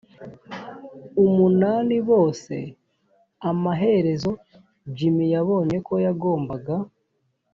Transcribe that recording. umunani bose amaherezo jimmy yabonye ko yagombaga